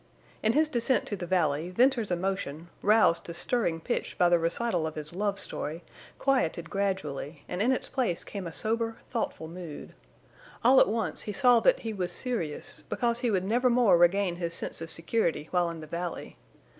In his descent to the valley, Venters's emotion, roused to stirring pitch by the recital of his love story, quieted gradually, and in its place came a sober, thoughtful mood. All at once he saw that he was serious, because he would never more regain his sense of security while in the valley.